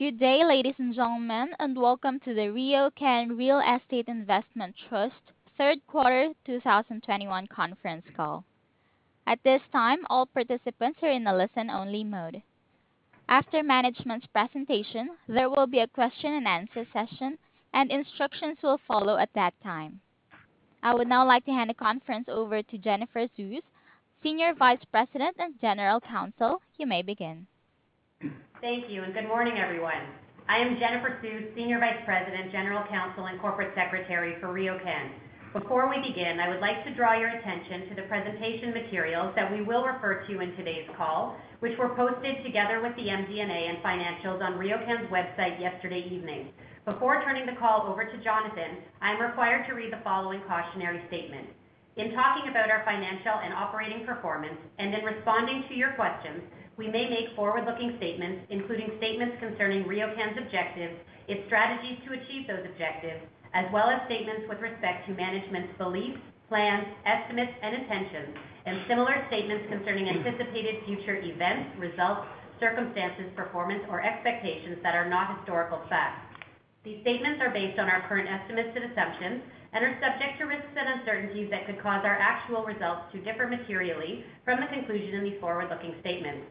Good day, ladies and gentlemen, and welcome to the RioCan Real Estate Investment Trust Third Quarter 2021 Conference Call. At this time, all participants are in a listen-only mode. After management's presentation, there will be a question-and-answer session, and instructions will follow at that time. I would now like to hand the conference over to Jennifer Suess, Senior Vice President and General Counsel. You may begin. Thank you, and good morning, everyone. I am Jennifer Suess, Senior Vice President, General Counsel, and Corporate Secretary for RioCan. Before we begin, I would like to draw your attention to the presentation materials that we will refer to in today's call, which were posted together with the MD&A and financials on RioCan's website yesterday evening. Before turning the call over to Jonathan, I am required to read the following cautionary statement. In talking about our financial and operating performance, and in responding to your questions, we may make forward-looking statements, including statements concerning RioCan's objectives, its strategies to achieve those objectives, as well as statements with respect to management's beliefs, plans, estimates, and intentions, and similar statements concerning anticipated future events, results, circumstances, performance, or expectations that are not historical facts. These statements are based on our current estimates and assumptions and are subject to risks and uncertainties that could cause our actual results to differ materially from the conclusion in these forward-looking statements.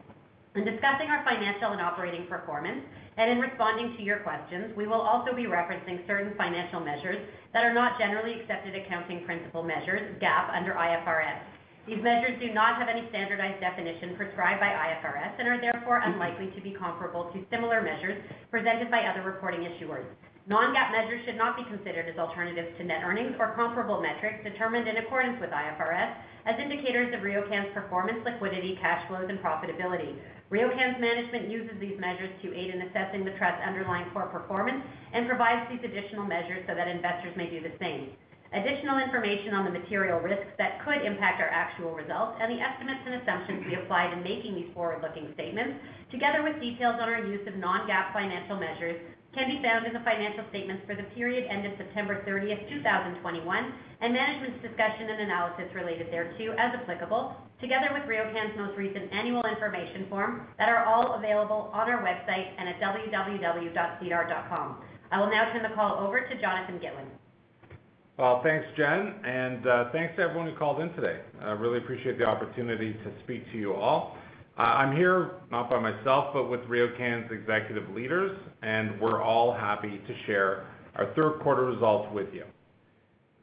In discussing our financial and operating performance, and in responding to your questions, we will also be referencing certain financial measures that are not generally accepted accounting principles measures, GAAP, under IFRS. These measures do not have any standardized definition prescribed by IFRS and are therefore unlikely to be comparable to similar measures presented by other reporting issuers. Non-GAAP measures should not be considered as alternatives to net earnings or comparable metrics determined in accordance with IFRS as indicators of RioCan's performance, liquidity, cash flows, and profitability. RioCan's management uses these measures to aid in assessing the trust's underlying core performance and provides these additional measures so that investors may do the same. Additional information on the material risks that could impact our actual results and the estimates and assumptions we applied in making these forward-looking statements, together with details on our use of Non-GAAP financial measures, can be found in the financial statements for the period ended September 30, 2021, and management's discussion and analysis related thereto as applicable, together with RioCan's most recent annual information form that are all available on our website and at sedar.com. I will now turn the call over to Jonathan Gitlin. Well, thanks, Jen, and thanks to everyone who called in today. I really appreciate the opportunity to speak to you all. I'm here not by myself, but with RioCan's executive leaders, and we're all happy to share our third quarter results with you.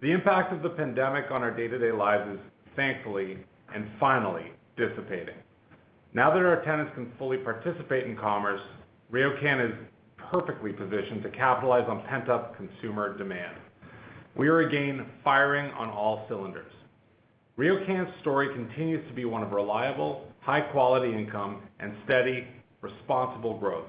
The impact of the pandemic on our day-to-day lives is thankfully and finally dissipating. Now that our tenants can fully participate in commerce, RioCan is perfectly positioned to capitalize on pent-up consumer demand. We are again firing on all cylinders. RioCan's story continues to be one of reliable, high-quality income and steady, responsible growth.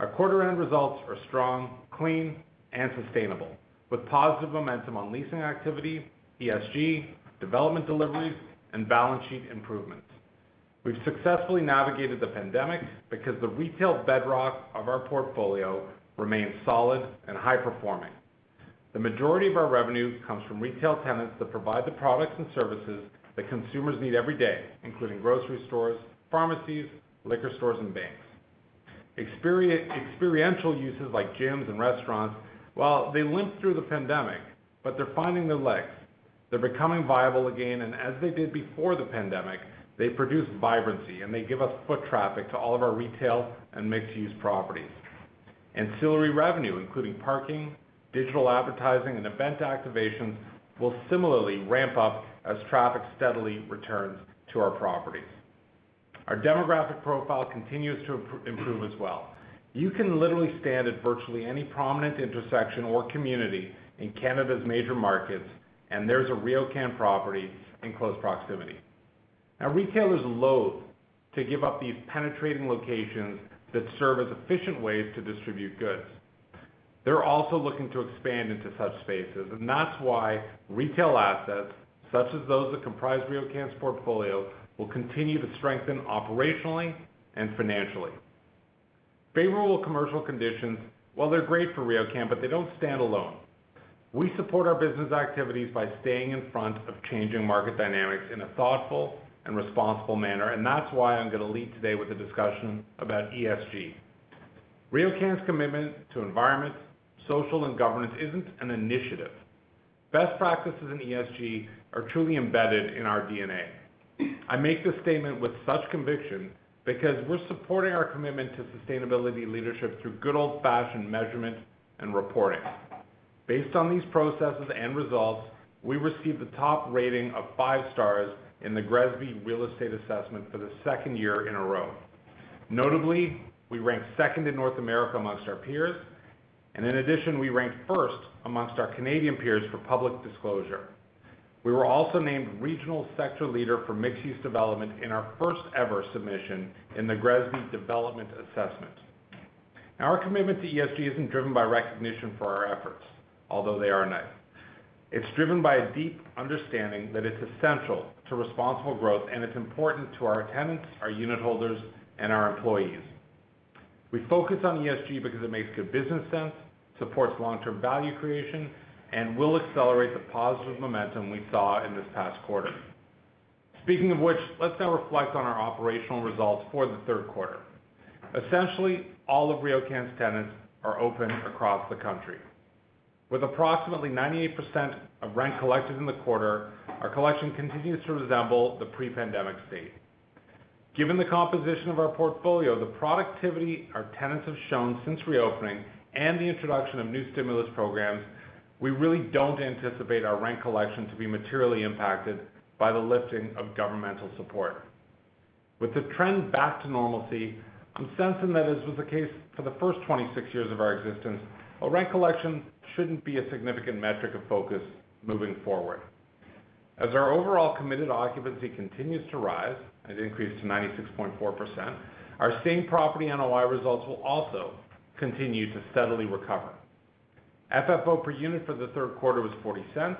Our quarter-end results are strong, clean, and sustainable, with positive momentum on leasing activity, ESG, development deliveries, and balance sheet improvements. We've successfully navigated the pandemic because the retail bedrock of our portfolio remains solid and high-performing. The majority of our revenue comes from retail tenants that provide the products and services that consumers need every day, including grocery stores, pharmacies, liquor stores, and banks. Experiential uses like gyms and restaurants, while they limped through the pandemic, but they're finding their legs. They're becoming viable again, and as they did before the pandemic, they produce vibrancy, and they give us foot traffic to all of our retail and mixed-use properties. Ancillary revenue, including parking, digital advertising, and event activations, will similarly ramp up as traffic steadily returns to our properties. Our demographic profile continues to improve as well. You can literally stand at virtually any prominent intersection or community in Canada's major markets, and there's a RioCan property in close proximity. Now, retailers loathe to give up these penetrating locations that serve as efficient ways to distribute goods. They're also looking to expand into such spaces, and that's why retail assets, such as those that comprise RioCan's portfolio, will continue to strengthen operationally and financially. Favorable commercial conditions, while they're great for RioCan, but they don't stand alone. We support our business activities by staying in front of changing market dynamics in a thoughtful and responsible manner, and that's why I'm gonna lead today with a discussion about ESG. RioCan's commitment to environmental, social, and governance isn't an initiative. Best practices in ESG are truly embedded in our DNA. I make this statement with such conviction because we're supporting our commitment to sustainability leadership through good old-fashioned measurement and reporting. Based on these processes and results, we received the top rating of five stars in the GRESB Real Estate Assessment for the second year in a row. Notably, we ranked second in North America amongst our peers, and in addition, we ranked first amongst our Canadian peers for public disclosure. We were also named regional sector leader for mixed-use development in our first-ever submission in the GRESB Development Assessment. Now, our commitment to ESG isn't driven by recognition for our efforts, although they are nice. It's driven by a deep understanding that it's essential to responsible growth, and it's important to our tenants, our unit holders, and our employees. We focus on ESG because it makes good business sense, supports long-term value creation, and will accelerate the positive momentum we saw in this past quarter. Speaking of which, let's now reflect on our operational results for the third quarter. Essentially, all of RioCan's tenants are open across the country. With approximately 98% of rent collected in the quarter, our collection continues to resemble the pre-pandemic state. Given the composition of our portfolio, the productivity our tenants have shown since reopening, and the introduction of new stimulus programs, we really don't anticipate our rent collection to be materially impacted by the lifting of governmental support. With the trend back to normalcy, I'm sensing that as was the case for the first 26 years of our existence, our rent collection shouldn't be a significant metric of focus moving forward. As our overall committed occupancy continues to rise, it increased to 96.4%, our same-property NOI results will also continue to steadily recover. FFO per unit for the third quarter was 0.40,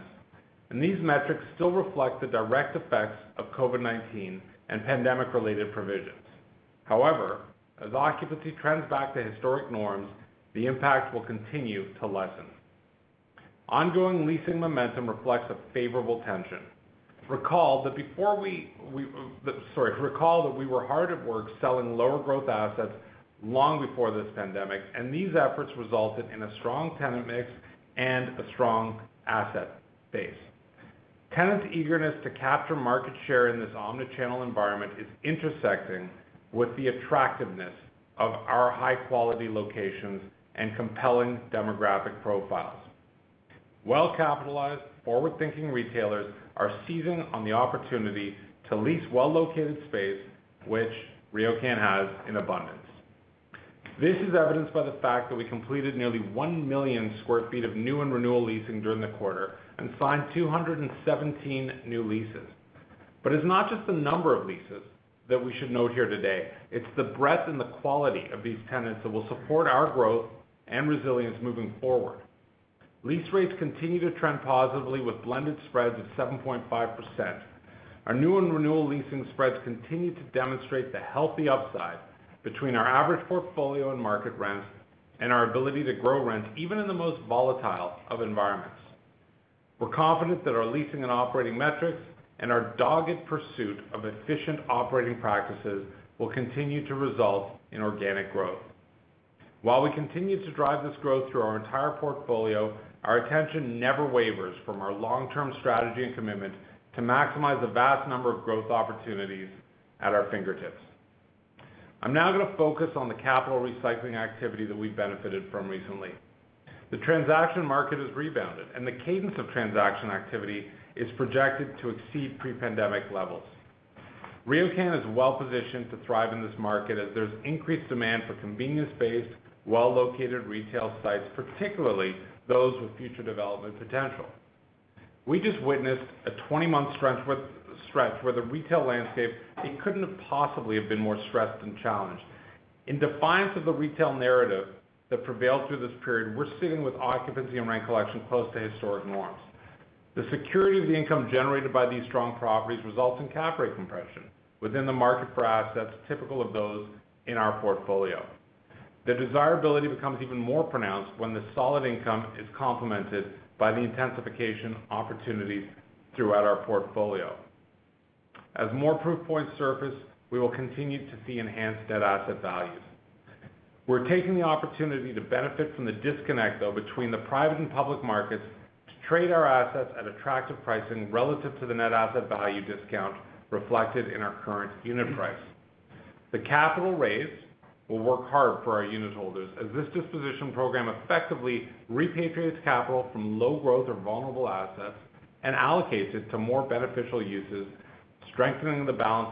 and these metrics still reflect the direct effects of COVID-19 and pandemic-related provisions. However, as occupancy trends back to historic norms, the impact will continue to lessen. Ongoing leasing momentum reflects a favorable tension. Recall that before we Recall that we were hard at work selling lower growth assets long before this pandemic, and these efforts resulted in a strong tenant mix and a strong asset base. Tenants' eagerness to capture market share in this omni-channel environment is intersecting with the attractiveness of our high-quality locations and compelling demographic profiles. Well-capitalized, forward-thinking retailers are seizing on the opportunity to lease well-located space, which RioCan has in abundance. This is evidenced by the fact that we completed nearly 1 million sq ft of new and renewal leasing during the quarter and signed 217 new leases. It's not just the number of leases that we should note here today, it's the breadth and the quality of these tenants that will support our growth and resilience moving forward. Lease rates continue to trend positively with blended spreads of 7.5%. Our new and renewal leasing spreads continue to demonstrate the healthy upside between our average portfolio and market rent, and our ability to grow rent even in the most volatile of environments. We're confident that our leasing and operating metrics and our dogged pursuit of efficient operating practices will continue to result in organic growth. While we continue to drive this growth through our entire portfolio, our attention never wavers from our long-term strategy and commitment to maximize the vast number of growth opportunities at our fingertips. I'm now gonna focus on the capital recycling activity that we've benefited from recently. The transaction market has rebounded, and the cadence of transaction activity is projected to exceed pre-pandemic levels. RioCan is well-positioned to thrive in this market as there's increased demand for convenience-based, well-located retail sites, particularly those with future development potential. We just witnessed a 20-month stretch where the retail landscape, it couldn't have possibly been more stressed and challenged. In defiance of the retail narrative that prevailed through this period, we're sitting with occupancy and rent collection close to historic norms. The security of the income generated by these strong properties results in cap rate compression within the market for assets typical of those in our portfolio. The desirability becomes even more pronounced when the solid income is complemented by the intensification opportunities throughout our portfolio. As more proof points surface, we will continue to see enhanced net asset values. We're taking the opportunity to benefit from the disconnect, though, between the private and public markets to trade our assets at attractive pricing relative to the net asset value discount reflected in our current unit price. The capital raised will work hard for our unit holders as this disposition program effectively repatriates capital from low growth or vulnerable assets and allocates it to more beneficial uses, strengthening the balance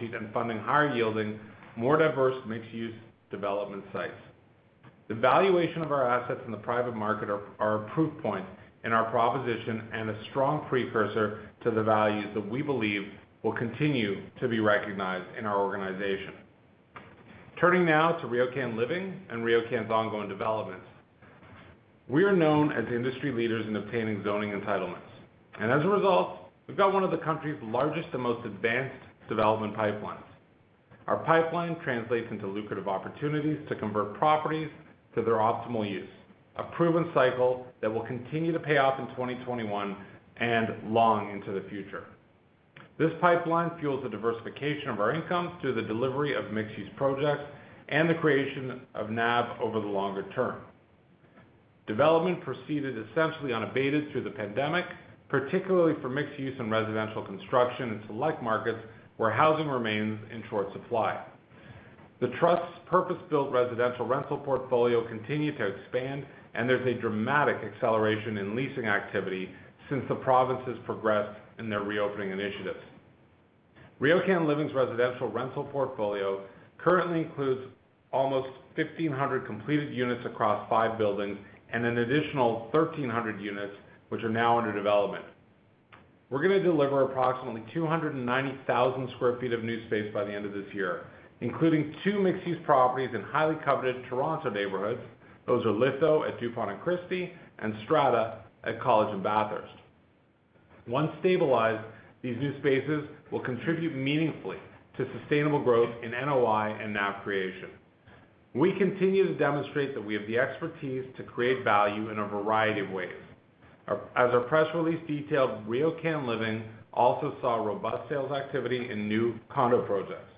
sheet and funding higher yielding, more diverse mixed-use development sites. The valuation of our assets in the private market are a proof point in our proposition and a strong precursor to the values that we believe will continue to be recognized in our organization. Turning now to RioCan Living and RioCan's ongoing developments. We are known as industry leaders in obtaining zoning entitlements. As a result, we've got one of the country's largest and most advanced development pipelines. Our pipeline translates into lucrative opportunities to convert properties to their optimal use. A proven cycle that will continue to pay off in 2021 and long into the future. This pipeline fuels the diversification of our income through the delivery of mixed-use projects and the creation of NAV over the longer term. Development proceeded essentially unabated through the pandemic, particularly for mixed use and residential construction into like markets where housing remains in short supply. The trust's purpose-built residential rental portfolio continued to expand, and there's a dramatic acceleration in leasing activity since the provinces progressed in their reopening initiatives. RioCan Living's residential rental portfolio currently includes almost 1,500 completed units across five buildings and an additional 1,300 units, which are now under development. We're gonna deliver approximately 290,000 sq ft of new space by the end of this year, including two mixed-use properties in highly coveted Toronto neighborhoods. Those are Litho. at Dupont and Christie, and Strada at College and Bathurst. Once stabilized, these new spaces will contribute meaningfully to sustainable growth in NOI and NAV creation. We continue to demonstrate that we have the expertise to create value in a variety of ways. As our press release detailed, RioCan Living also saw robust sales activity in new condo projects.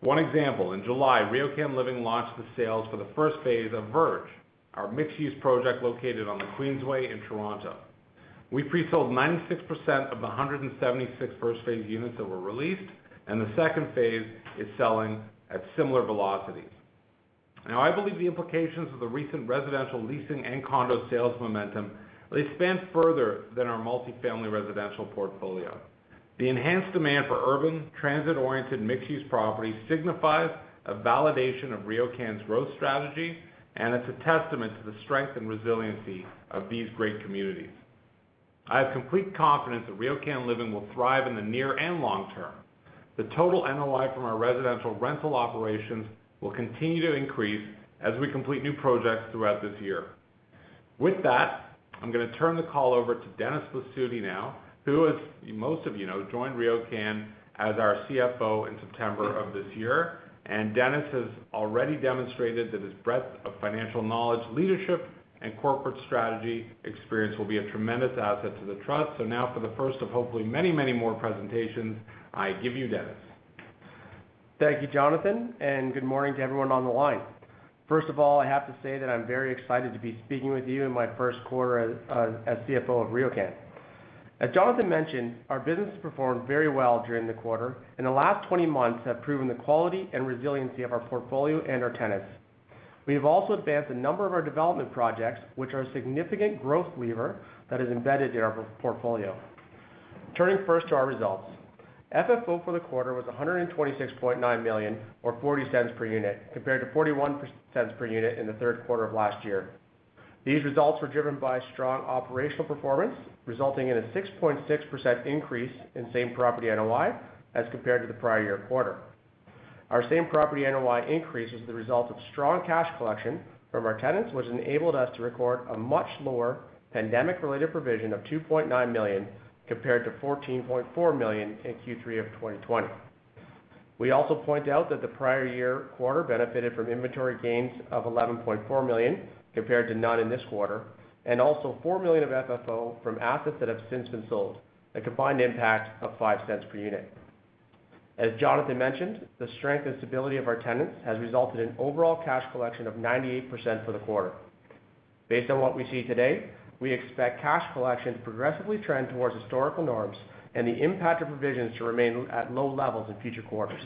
One example, in July, RioCan Living launched the sales for the first phase of Verge, our mixed-use project located on The Queensway in Toronto. We pre-sold 96% of the 176 first phase units that were released, and the second phase is selling at similar velocities. Now, I believe the implications of the recent residential leasing and condo sales momentum, they span further than our multi-family residential portfolio. The enhanced demand for urban transit-oriented mixed-use property signifies a validation of RioCan's growth strategy, and it's a testament to the strength and resiliency of these great communities. I have complete confidence that RioCan Living will thrive in the near and long term. The total NOI from our residential rental operations will continue to increase as we complete new projects throughout this year. With that, I'm gonna turn the call over to Dennis Blasutti now, who, as most of you know, joined RioCan as our CFO in September of this year. Dennis has already demonstrated that his breadth of financial knowledge, leadership, and corporate strategy experience will be a tremendous asset to the trust. Now, for the first of hopefully many, many more presentations, I give you Dennis. Thank you, Jonathan, and good morning to everyone on the line. First of all, I have to say that I'm very excited to be speaking with you in my first quarter as CFO of RioCan. As Jonathan mentioned, our business performed very well during the quarter, and the last 20 months have proven the quality and resiliency of our portfolio and our tenants. We have also advanced a number of our development projects, which are a significant growth lever that is embedded in our portfolio. Turning first to our results. FFO for the quarter was 126.9 million or 0.40 per unit, compared to 0.41 per unit in the third quarter of last year. These results were driven by strong operational performance, resulting in a 6.6% increase in same-property NOI as compared to the prior year quarter. Our same-property NOI increase was the result of strong cash collection from our tenants, which enabled us to record a much lower pandemic-related provision of 2.9 million compared to 14.4 million in Q3 of 2020. We also point out that the prior year quarter benefited from inventory gains of 11.4 million compared to none in this quarter, and also 4 million of FFO from assets that have since been sold, a combined impact of 0.05 per unit. As Jonathan mentioned, the strength and stability of our tenants has resulted in overall cash collection of 98% for the quarter. Based on what we see today, we expect cash collections progressively trend towards historical norms and the impact of provisions to remain at low levels in future quarters.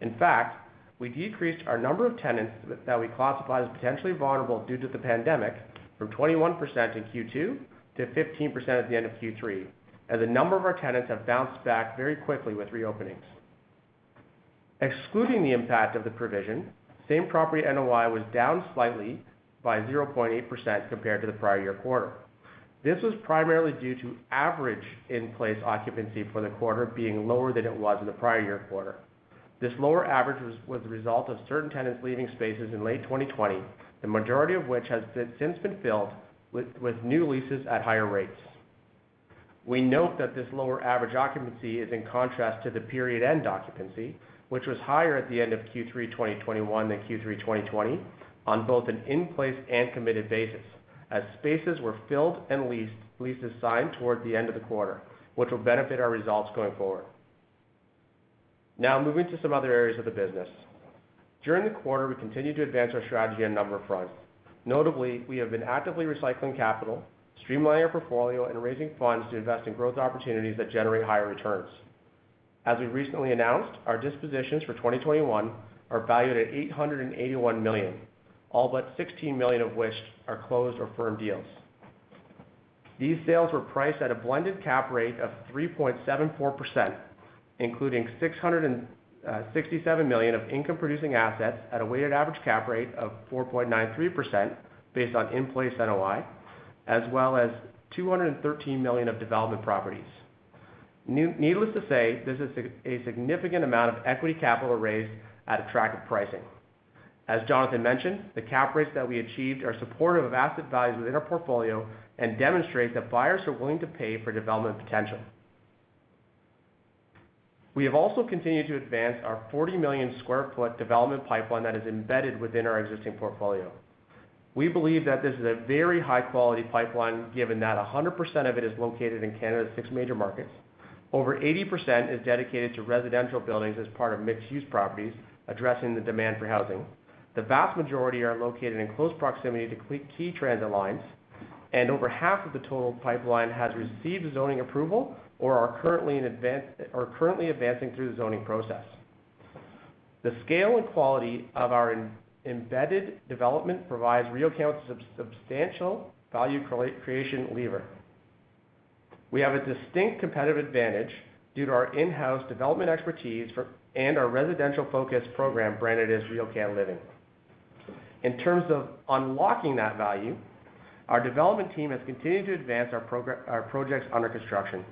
In fact, we decreased our number of tenants that we classify as potentially vulnerable due to the pandemic from 21% in Q2 to 15% at the end of Q3, as a number of our tenants have bounced back very quickly with reopenings. Excluding the impact of the provision, same-property NOI was down slightly by 0.8% compared to the prior year quarter. This was primarily due to average in-place occupancy for the quarter being lower than it was in the prior year quarter. This lower average was the result of certain tenants leaving spaces in late 2020, the majority of which has since been filled with new leases at higher rates. We note that this lower average occupancy is in contrast to the period-end occupancy, which was higher at the end of Q3 2021 than Q3 2020 on both an in-place and committed basis, as spaces were filled and leased, leases signed toward the end of the quarter, which will benefit our results going forward. Now moving to some other areas of the business. During the quarter, we continued to advance our strategy on a number of fronts. Notably, we have been actively recycling capital, streamlining our portfolio, and raising funds to invest in growth opportunities that generate higher returns. As we recently announced, our dispositions for 2021 are valued at 881 million, all but 16 million of which are closed or firm deals. These sales were priced at a blended cap rate of 3.74%, including 667 million of income-producing assets at a weighted average cap rate of 4.93% based on in-place NOI, as well as 213 million of development properties. Needless to say, this is a significant amount of equity capital raised at attractive pricing. As Jonathan mentioned, the cap rates that we achieved are supportive of asset values within our portfolio and demonstrate that buyers are willing to pay for development potential. We have also continued to advance our 40 million sq ft development pipeline that is embedded within our existing portfolio. We believe that this is a very high-quality pipeline, given that 100% of it is located in Canada's six major markets. Over 80% is dedicated to residential buildings as part of mixed-use properties addressing the demand for housing. The vast majority are located in close proximity to key transit lines, and over half of the total pipeline has received zoning approval or are currently advancing through the zoning process. The scale and quality of our embedded development provides RioCan substantial value creation lever. We have a distinct competitive advantage due to our in-house development expertise and our residential-focused program branded as RioCan Living. In terms of unlocking that value, our development team has continued to advance our projects under construction.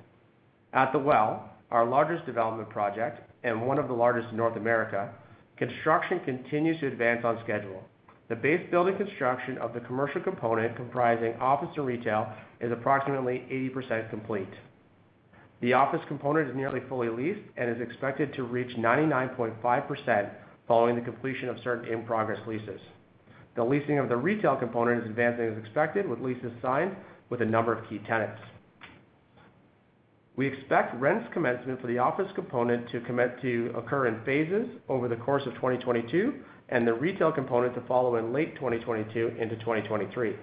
At The Well, our largest development project and one of the largest in North America, construction continues to advance on schedule. The base building construction of the commercial component comprising office and retail is approximately 80% complete. The office component is nearly fully leased and is expected to reach 99.5% following the completion of certain in-progress leases. The leasing of the retail component is advancing as expected, with leases signed with a number of key tenants. We expect rents commencement for the office component to commit to occur in phases over the course of 2022, and the retail component to follow in late 2022 into 2023.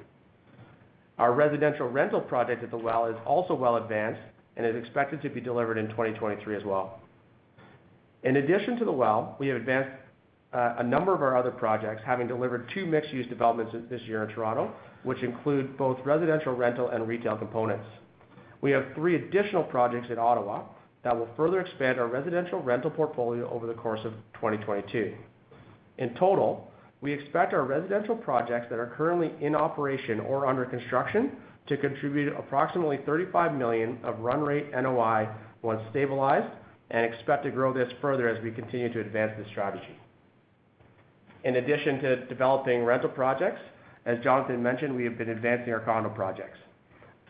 Our residential rental project at The Well is also well advanced and is expected to be delivered in 2023 as well. In addition to The Well, we have advanced a number of our other projects, having delivered two mixed-use developments this year in Toronto, which include both residential, rental, and retail components. We have three additional projects in Ottawa that will further expand our residential rental portfolio over the course of 2022. In total, we expect our residential projects that are currently in operation or under construction to contribute approximately 35 million of run rate NOI once stabilized, and expect to grow this further as we continue to advance this strategy. In addition to developing rental projects, as Jonathan mentioned, we have been advancing our condo projects.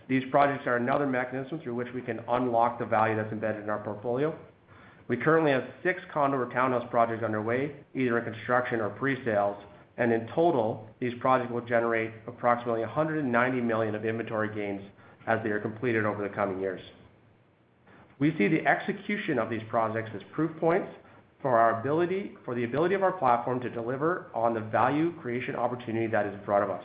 These projects are another mechanism through which we can unlock the value that's embedded in our portfolio. We currently have six condo or townhouse projects underway, either in construction or pre-sales. In total, these projects will generate approximately 190 million of inventory gains as they are completed over the coming years. We see the execution of these projects as proof points for the ability of our platform to deliver on the value creation opportunity that is in front of us.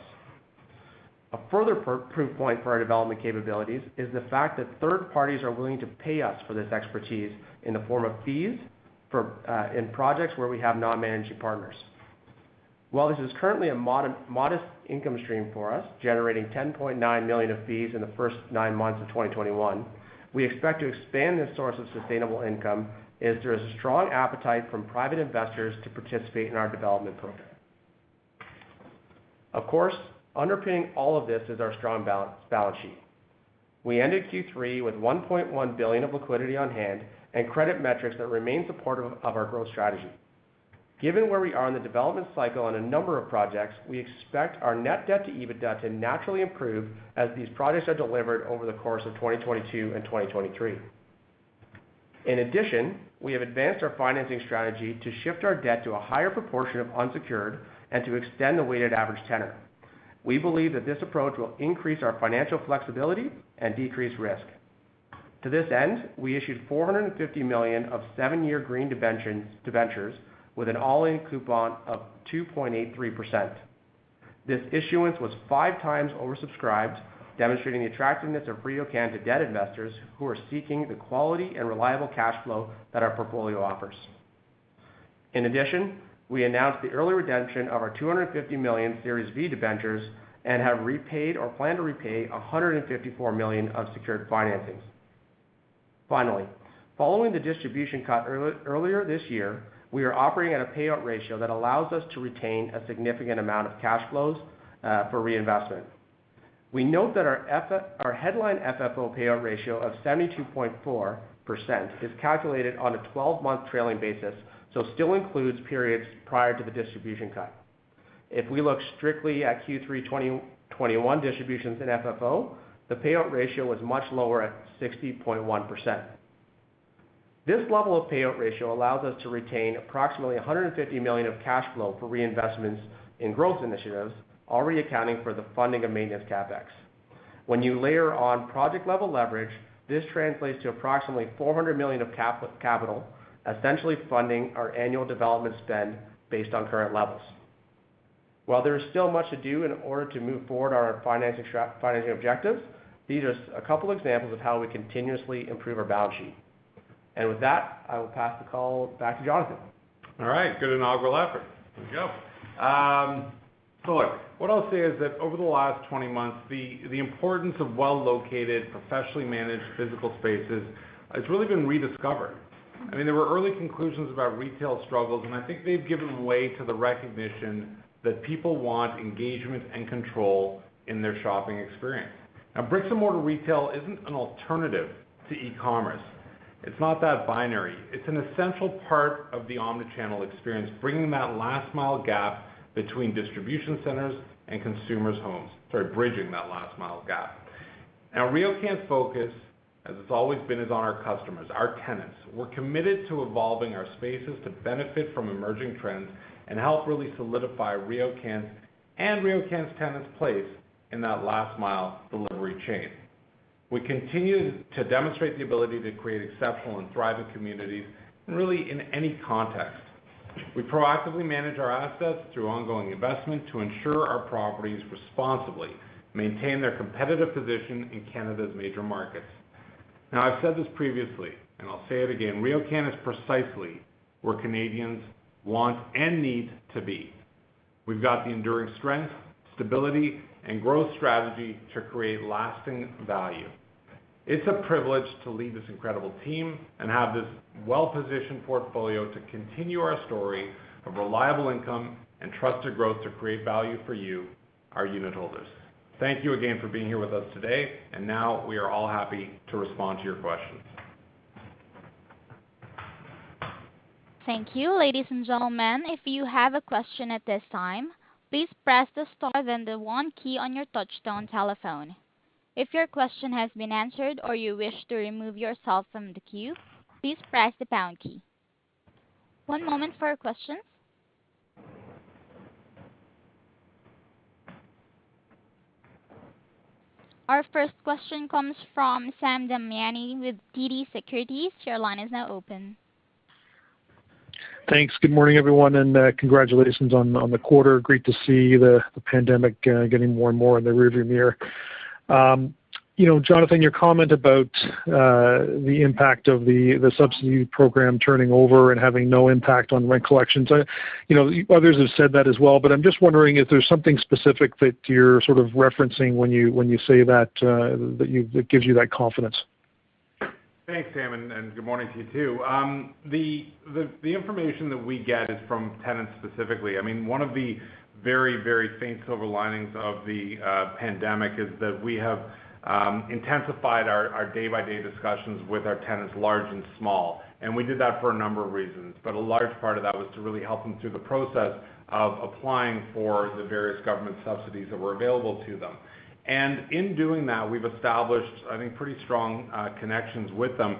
A further proof point for our development capabilities is the fact that third parties are willing to pay us for this expertise in the form of fees for in projects where we have non-managing partners. While this is currently a modest income stream for us, generating 10.9 million of fees in the first nine months of 2021, we expect to expand this source of sustainable income, as there is a strong appetite from private investors to participate in our development program. Of course, underpinning all of this is our strong balance sheet. We ended Q3 with 1.1 billion of liquidity on hand and credit metrics that remain supportive of our growth strategy. Given where we are in the development cycle on a number of projects, we expect our net debt to EBITDA to naturally improve as these projects are delivered over the course of 2022 and 2023. In addition, we have advanced our financing strategy to shift our debt to a higher proportion of unsecured and to extend the weighted average tenor. We believe that this approach will increase our financial flexibility and decrease risk. To this end, we issued 450 million of seven-year Green Bonds, debentures with an all-in coupon of 2.83%. This issuance was five times oversubscribed, demonstrating the attractiveness of RioCan to debt investors who are seeking the quality and reliable cash flow that our portfolio offers. In addition, we announced the early redemption of our 250 million Series V debentures and have repaid or plan to repay 154 million of secured financings. Finally, following the distribution cut earlier this year, we are operating at a payout ratio that allows us to retain a significant amount of cash flows for reinvestment. We note that our headline FFO payout ratio of 72.4% is calculated on a 12-month trailing basis, so still includes periods prior to the distribution cut. If we look strictly at Q3 2021 distributions and FFO, the payout ratio was much lower at 60.1%. This level of payout ratio allows us to retain approximately 150 million of cash flow for reinvestments in growth initiatives, already accounting for the funding of maintenance CapEx. When you layer on project-level leverage, this translates to approximately 400 million of capital, essentially funding our annual development spend based on current levels. While there is still much to do in order to move forward our financing objectives, these are a couple examples of how we continuously improve our balance sheet. With that, I will pass the call back to Jonathan. All right. Good inaugural effort. There you go. Look, what I'll say is that over the last 20 months, the importance of well-located, professionally managed physical spaces has really been rediscovered. I mean, there were early conclusions about retail struggles, and I think they've given way to the recognition that people want engagement and control in their shopping experience. Now, bricks-and-mortar retail isn't an alternative to e-commerce. It's not that binary. It's an essential part of the omni-channel experience, bringing that last mile gap between distribution centers and consumers' homes. Sorry, bridging that last mile gap. Now, RioCan's focus, as it's always been, is on our customers, our tenants. We're committed to evolving our spaces to benefit from emerging trends and help really solidify RioCan's and RioCan's tenants' place in that last mile delivery chain. We continue to demonstrate the ability to create exceptional and thriving communities really in any context. We proactively manage our assets through ongoing investment to ensure our properties responsibly maintain their competitive position in Canada's major markets. Now, I've said this previously, and I'll say it again, RioCan is precisely where Canadians want and need to be. We've got the enduring strength, stability, and growth strategy to create lasting value. It's a privilege to lead this incredible team and have this well-positioned portfolio to continue our story of reliable income and trusted growth to create value for you, our unitholders. Thank you again for being here with us today. Now we are all happy to respond to your questions. Thank you. Ladies and gentlemen, if you have a question at this time, please press the star, then the one key on your touchtone telephone. If your question has been answered or you wish to remove yourself from the queue, please press the pound key. One moment for questions. Our first question comes from Sam Damiani with TD Securities. Your line is now open. Thanks. Good morning, everyone, and congratulations on the quarter. Great to see the pandemic getting more and more in the rearview mirror. You know, Jonathan, your comment about the impact of the subsidy program turning over and having no impact on rent collections. You know, others have said that as well, but I'm just wondering if there's something specific that you're sort of referencing when you say that that gives you that confidence. Thanks, Sam, and good morning to you too. The information that we get is from tenants specifically. I mean, one of the very, very faint silver linings of the pandemic is that we have intensified our day-by-day discussions with our tenants, large and small. We did that for a number of reasons. A large part of that was to really help them through the process of applying for the various government subsidies that were available to them. In doing that, we've established, I think, pretty strong connections with them.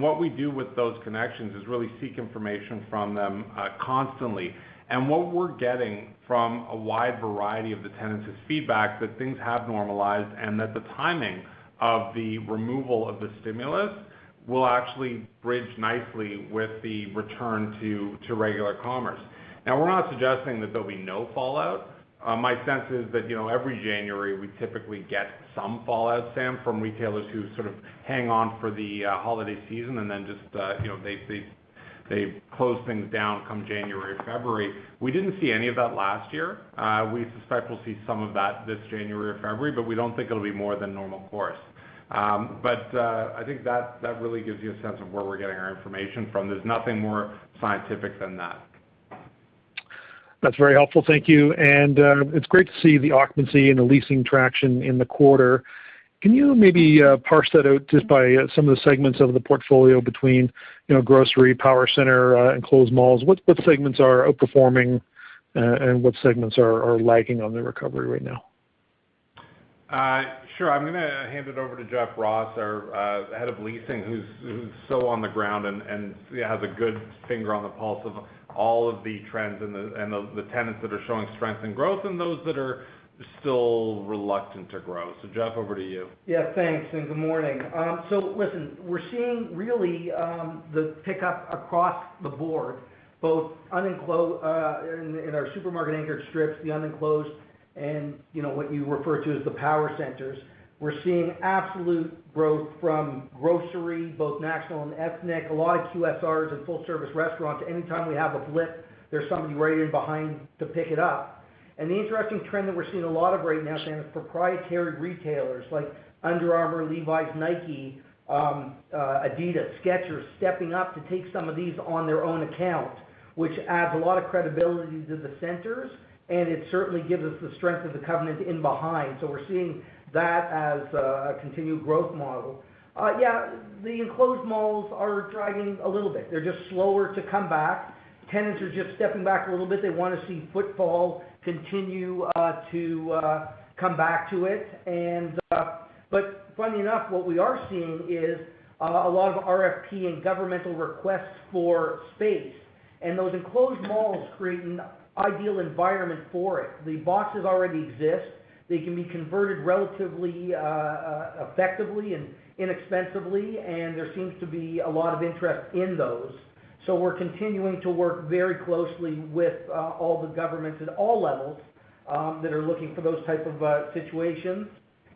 What we do with those connections is really seek information from them constantly. What we're getting from a wide variety of the tenants is feedback that things have normalized and that the timing of the removal of the stimulus will actually bridge nicely with the return to regular commerce. Now, we're not suggesting that there'll be no fallout. My sense is that, you know, every January, we typically get some fallout, Sam, from retailers who sort of hang on for the holiday season and then just, you know, they close things down come January, February. We didn't see any of that last year. We suspect we'll see some of that this January or February, but we don't think it'll be more than normal course. I think that really gives you a sense of where we're getting our information from. There's nothing more scientific than that. That's very helpful. Thank you. It's great to see the occupancy and the leasing traction in the quarter. Can you maybe parse that out just by some of the segments of the portfolio between, you know, grocery, power center, enclosed malls? What segments are outperforming and what segments are lagging on the recovery right now? Sure. I'm gonna hand it over to Jeff Ross, our head of leasing, who's so on the ground and has a good finger on the pulse of all of the trends and the tenants that are showing strength and growth and those that are still reluctant to grow. Jeff, over to you. Yeah. Thanks, and good morning. So listen, we're seeing really the pickup across the board, both in our supermarket anchored strips, the unenclosed and, you know, what you refer to as the power centers. We're seeing absolute growth from grocery, both national and ethnic, a lot of QSRs and full service restaurants. Anytime we have a blip, there's somebody right in behind to pick it up. The interesting trend that we're seeing a lot of right now, Sam, is proprietary retailers like Under Armour, Levi's, Nike, Adidas, Skechers, stepping up to take some of these on their own account, which adds a lot of credibility to the centers, and it certainly gives us the strength of the covenant in behind. We're seeing that as a continued growth model. Yeah, the enclosed malls are dragging a little bit. They're just slower to come back. Tenants are just stepping back a little bit. They wanna see footfall continue to come back to it. Funny enough, what we are seeing is a lot of RFP and governmental requests for space. Those enclosed malls create an ideal environment for it. The boxes already exist. They can be converted relatively effectively and inexpensively, and there seems to be a lot of interest in those. We're continuing to work very closely with all the governments at all levels that are looking for those type of situations.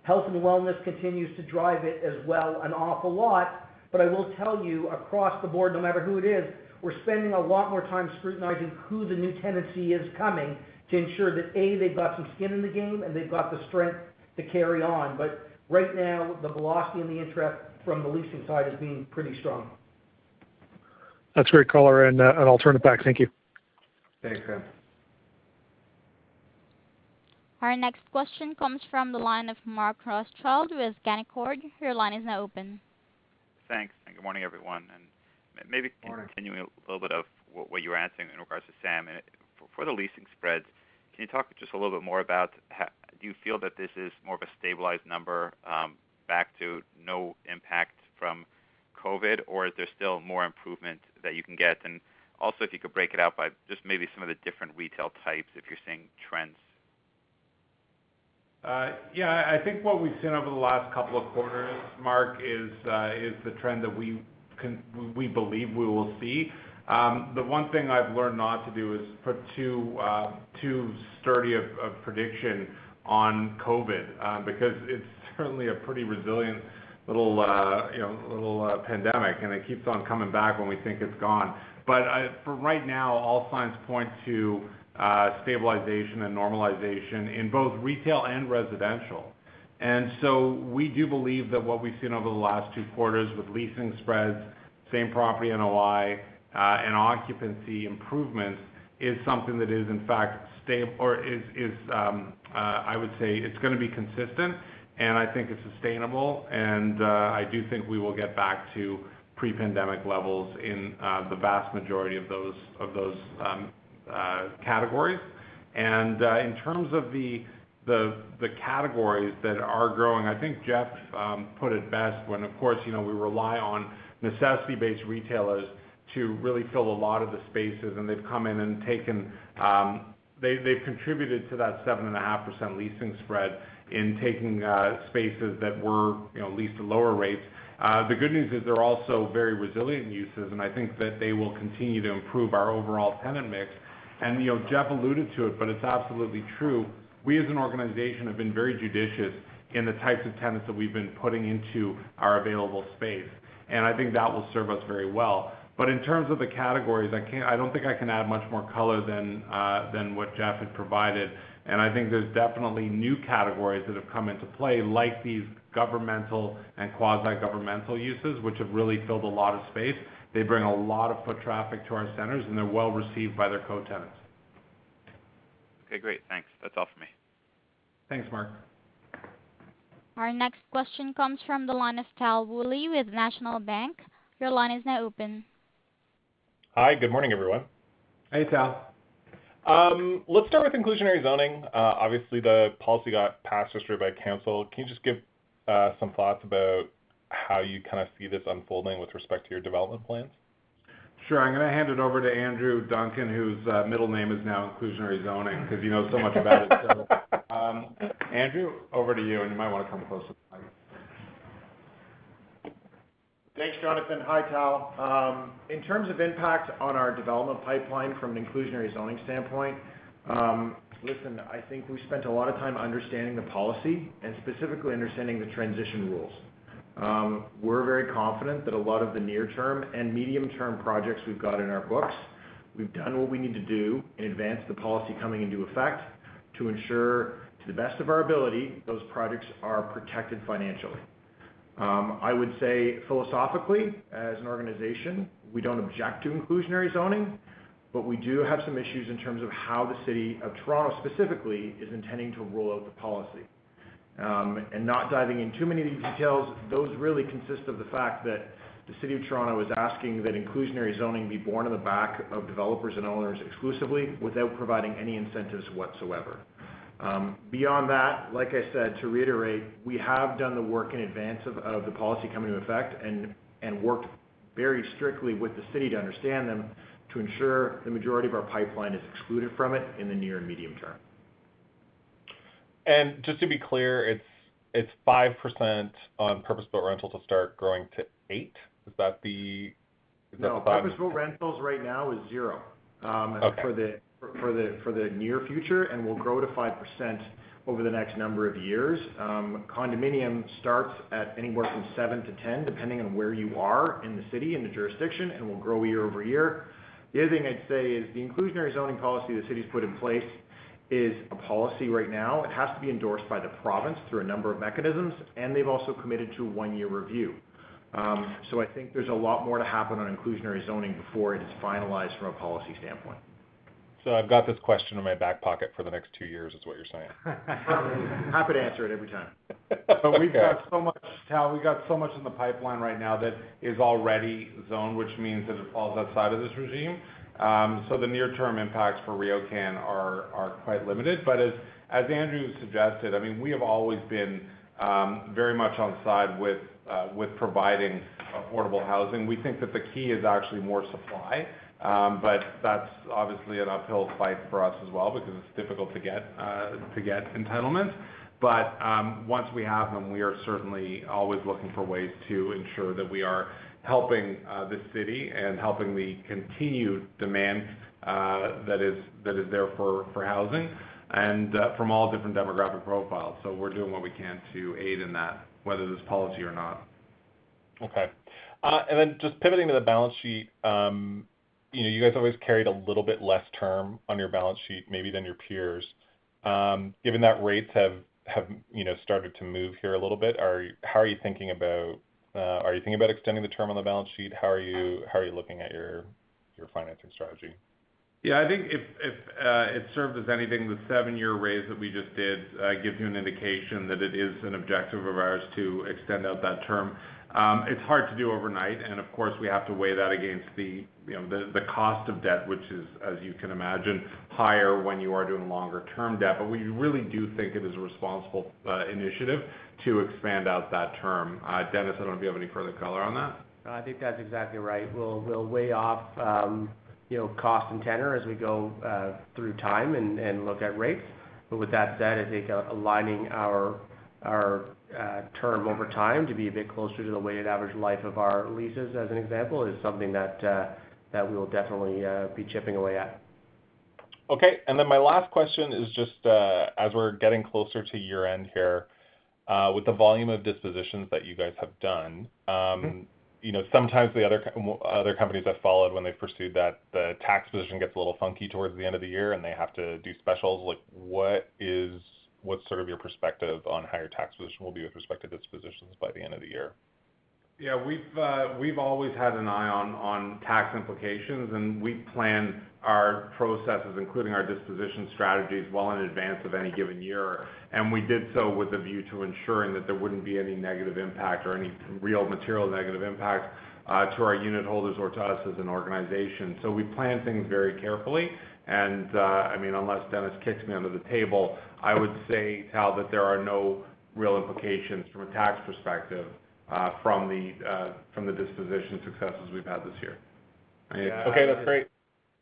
Health and wellness continues to drive it as well, an awful lot. I will tell you, across the board, no matter who it is, we're spending a lot more time scrutinizing who the new tenancy is coming to ensure that, A, they've got some skin in the game and they've got the strength to carry on. Right now, the velocity and the interest from the leasing side is being pretty strong. That's great color, and I'll turn it back. Thank you. Thanks, Sam. Our next question comes from the line of Mark Rothschild with Canaccord. Your line is now open. Thanks, and good morning, everyone. Morning. Continuing a little bit of what you were answering in regards to Sam. For the leasing spreads, can you talk just a little bit more about how? Do you feel that this is more of a stabilized number, back to no impact from COVID, or is there still more improvement that you can get? And also, if you could break it out by just maybe some of the different retail types, if you're seeing trends. Yeah. I think what we've seen over the last couple of quarters, Mark, is the trend that we believe we will see. The one thing I've learned not to do is put too certain of a prediction on COVID, because it's certainly a pretty resilient little, you know, pandemic, and it keeps on coming back when we think it's gone. For right now, all signs point to stabilization and normalization in both retail and residential. We do believe that what we've seen over the last two quarters with leasing spreads, same-property NOI, and occupancy improvements is something that is in fact, I would say, gonna be consistent, and I think it's sustainable. I do think we will get back to pre-pandemic levels in the vast majority of those categories. In terms of the categories that are growing, I think Jeff put it best when, of course, you know, we rely on necessity-based retailers to really fill a lot of the spaces, and they've come in and taken. They've contributed to that 7.5% leasing spread in taking spaces that were, you know, leased at lower rates. The good news is they're also very resilient uses, and I think that they will continue to improve our overall tenant mix. You know, Jeff alluded to it, but it's absolutely true. We as an organization have been very judicious in the types of tenants that we've been putting into our available space, and I think that will serve us very well. In terms of the categories, I don't think I can add much more color than what Jeff had provided. I think there's definitely new categories that have come into play, like these governmental and quasi-governmental uses, which have really filled a lot of space. They bring a lot of foot traffic to our centers, and they're well-received by their co-tenants. Okay, great. Thanks. That's all for me. Thanks, Mark. Our next question comes from the line of Tal Woolley with National Bank. Your line is now open. Hi, good morning, everyone. Hey, Tal. Let's start with inclusionary zoning. Obviously, the policy got passed this year by council. Can you just give some thoughts about how you kind of see this unfolding with respect to your development plans? Sure. I'm gonna hand it over to Andrew Duncan, whose middle name is now Inclusionary Zoning because he knows so much about it. Andrew, over to you, and you might wanna come close to the mic. Thanks, Jonathan. Hi, Tal. In terms of impact on our development pipeline from an inclusionary zoning standpoint, listen, I think we've spent a lot of time understanding the policy and specifically understanding the transition rules. We're very confident that a lot of the near-term and medium-term projects we've got in our books, we've done what we need to do in advance the policy coming into effect to ensure, to the best of our ability, those projects are protected financially. I would say philosophically, as an organization, we don't object to inclusionary zoning, but we do have some issues in terms of how the City of Toronto specifically is intending to roll out the policy. Not diving into too many of the details, those really consist of the fact that the City of Toronto is asking that inclusionary zoning be borne on the backs of developers and owners exclusively without providing any incentives whatsoever. Beyond that, like I said, to reiterate, we have done the work in advance of the policy coming into effect and worked very strictly with the city to understand them, to ensure the majority of our pipeline is excluded from it in the near and medium term. Just to be clear, it's 5% on purpose-built rental to start growing to 8%. Is that about? No. Purpose-built rentals right now is zero. Okay for the near future, and will grow to 5% over the next number of years. Condominium starts at anywhere from 7-10, depending on where you are in the city, in the jurisdiction, and will grow year-over-year. The other thing I'd say is the Inclusionary Zoning policy the city's put in place is a policy right now. It has to be endorsed by the province through a number of mechanisms, and they've also committed to a one-year review. I think there's a lot more to happen on Inclusionary Zoning before it is finalized from a policy standpoint. I've got this question in my back pocket for the next two years, is what you're saying. Happy to answer it every time. Okay. We've got so much, Tal, we've got so much in the pipeline right now that is already zoned, which means that it falls outside of this regime. The near-term impacts for RioCan are quite limited. As Andrew suggested, I mean, we have always been very much on side with providing affordable housing. We think that the key is actually more supply, but that's obviously an uphill fight for us as well because it's difficult to get entitlement. Once we have them, we are certainly always looking for ways to ensure that we are helping the city and helping the continued demand that is there for housing and from all different demographic profiles. We're doing what we can to aid in that, whether there's policy or not. Okay. Just pivoting to the balance sheet, you know, you guys always carried a little bit less term on your balance sheet, maybe than your peers. Given that rates have you know started to move here a little bit, how are you thinking about are you thinking about extending the term on the balance sheet? How are you looking at your financing strategy? Yeah, I think if it served as anything, the seven-year raise that we just did gives you an indication that it is an objective of ours to extend out that term. It's hard to do overnight, and of course, we have to weigh that against the, you know, the cost of debt, which is, as you can imagine, higher when you are doing longer-term debt. We really do think it is a responsible initiative to expand out that term. Dennis, I don't know if you have any further color on that. I think that's exactly right. We'll weigh off, you know, cost and tenor as we go through time and look at rates. With that said, I think aligning our term over time to be a bit closer to the weighted average life of our leases, as an example, is something that we'll definitely be chipping away at. Okay. My last question is just, as we're getting closer to year-end here, with the volume of dispositions that you guys have done- Mm-hmm You know, sometimes the other companies that followed when they pursued that, the tax position gets a little funky towards the end of the year, and they have to do specials. Like, what's sort of your perspective on how your tax position will be with respect to dispositions by the end of the year? Yeah. We've always had an eye on tax implications, and we plan our processes, including our disposition strategies, well in advance of any given year. We did so with a view to ensuring that there wouldn't be any negative impact or any real material negative impact to our unit holders or to us as an organization. We plan things very carefully. I mean, unless Dennis kicks me under the table, I would say, Tal, that there are no real implications from a tax perspective from the disposition successes we've had this year. Yeah. Okay, that's great.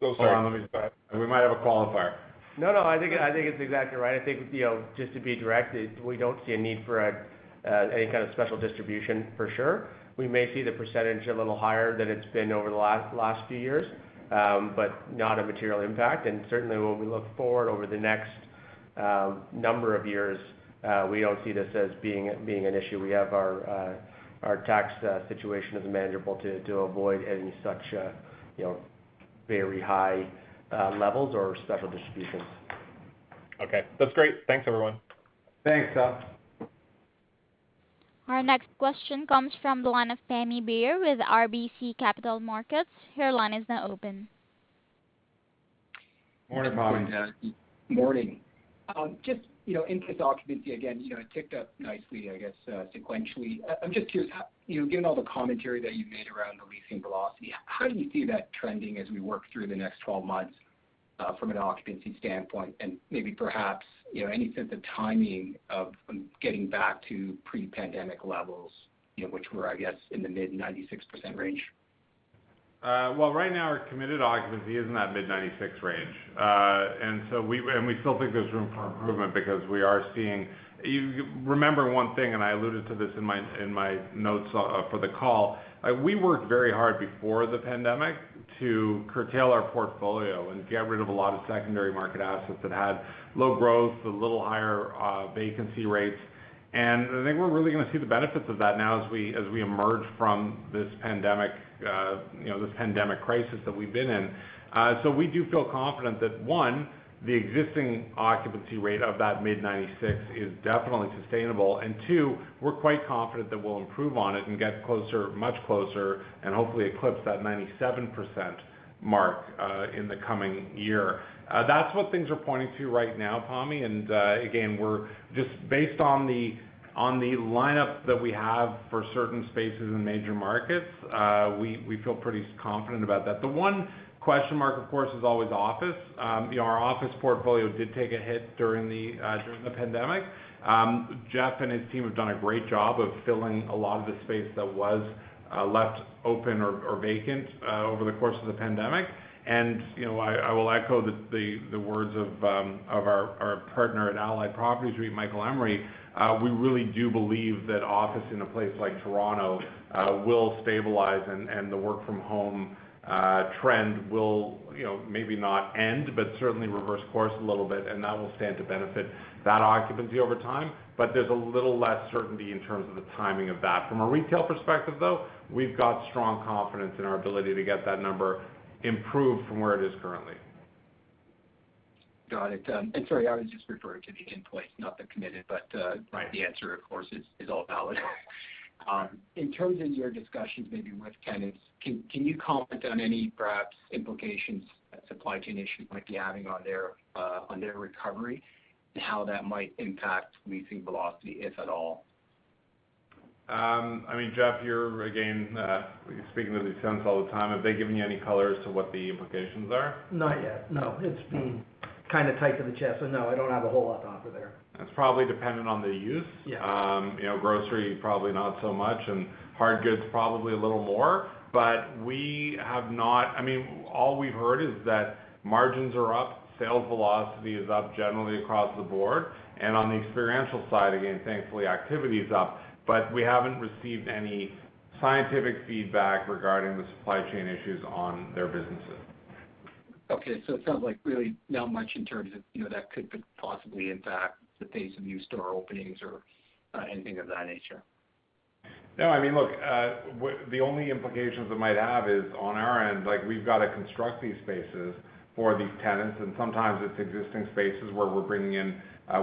Hold on, let me see. We might have a qualifier. No, I think it's exactly right. I think, you know, just to be direct, it, we don't see a need for any kind of special distribution for sure. We may see the percentage a little higher than it's been over the last few years, but not a material impact. Certainly when we look forward over the next number of years, we don't see this as being an issue. We have our tax situation is manageable to avoid any such, you know, very high levels or special distributions. Okay. That's great. Thanks, everyone. Thanks, Tal Woolley. Our next question comes from the line of Tommy Beer with RBC Capital Markets. Your line is now open. Morning, Tommy. Morning, Tom. Morning. Just, you know, in case occupancy again, you know, it ticked up nicely, I guess, sequentially. I'm just curious, how you know, given all the commentary that you've made around the leasing velocity, how do you see that trending as we work through the next 12 months from an occupancy standpoint, and maybe perhaps, you know, any sense of timing of getting back to pre-pandemic levels, you know, which were, I guess, in the mid-96% range? Well, right now our committed occupancy is in that mid-96 range. We still think there's room for improvement because we are seeing. Remember one thing, and I alluded to this in my notes for the call. We worked very hard before the pandemic to curtail our portfolio and get rid of a lot of secondary market assets that had low growth, a little higher vacancy rates. I think we're really gonna see the benefits of that now as we emerge from this pandemic, you know, this pandemic crisis that we've been in. We do feel confident that, one, the existing occupancy rate of that mid-96 is definitely sustainable, and two, we're quite confident that we'll improve on it and get closer, much closer, and hopefully eclipse that 97% mark in the coming year. That's what things are pointing to right now, Tommy, and, again, we're just based on the lineup that we have for certain spaces in major markets, we feel pretty confident about that. The one question mark, of course, is always office. You know, our office portfolio did take a hit during the pandemic. Jeff and his team have done a great job of filling a lot of the space that was left open or vacant over the course of the pandemic. You know, I will echo the words of our partner at Allied Properties, Michael Emory. We really do believe that office in a place like Toronto will stabilize and the work from home trend will, you know, maybe not end, but certainly reverse course a little bit, and that will stand to benefit that occupancy over time. There's a little less certainty in terms of the timing of that. From a retail perspective, though, we've got strong confidence in our ability to get that number improved from where it is currently. Got it. Sorry, I was just referring to the end point, not the committed, but Right The answer, of course, is all valid. In terms of your discussions, maybe with tenants, can you comment on any perhaps implications that supply chain issues might be having on their recovery and how that might impact leasing velocity, if at all? I mean, Jeff, you're again, speaking to these tenants all the time. Have they given you any color as to what the implications are? Not yet, no. It's been kind of tight to the chest, but no, I don't have a whole lot to offer there. That's probably dependent on the use. Yeah. You know, grocery, probably not so much, and hard goods, probably a little more. We have not, I mean, all we've heard is that margins are up, sales velocity is up generally across the board, and on the experiential side, again, thankfully, activity is up. We haven't received any scientific feedback regarding the supply chain issues on their businesses. Okay. It sounds like really not much in terms of, you know, that could possibly impact the pace of new store openings or, anything of that nature. No, I mean, look, the only implications it might have is on our end, like we've got to construct these spaces for these tenants, and sometimes it's existing spaces where we're bringing in,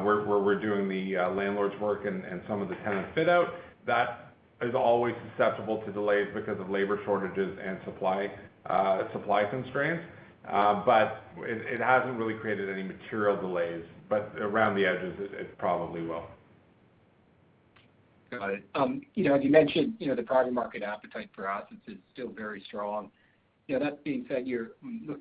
where we're doing the landlord's work and some of the tenant fit out. That is always susceptible to delays because of labor shortages and supply constraints. It hasn't really created any material delays, but around the edges it probably will. Got it. You know, as you mentioned, you know, the private market appetite for assets is still very strong. You know, that being said, you're